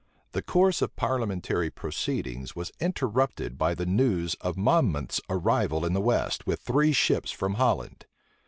The course of parliamentary proceedings was interrupted by the news of Monmouth's arrival in the west with three ships from Holland.